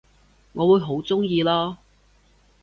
我會好鍾意囉